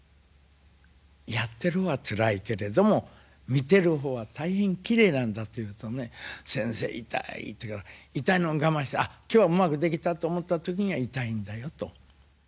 「やってる方はつらいけれども見てる方は大変きれいなんだ」と言うとね「先生痛い」と言うから「痛いのを我慢してあっ今日はうまくできたと思った時には痛いんだよ」と。